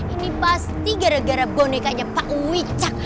ini pasti gara gara bonekanya pak wicak